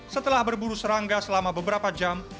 setelah berburu serangga selama beberapa jam